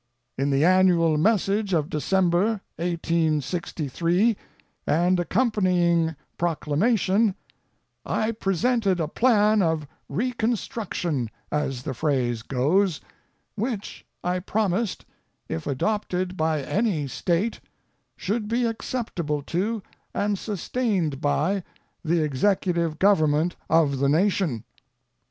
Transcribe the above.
In the Annual Message of Dec. 1863 and accompanying Proclamation, I presented a plan of re construction (as the phrase goes) which, I promised, if adopted by any State, should be acceptable to, and sustained by, the Executive government of the nation.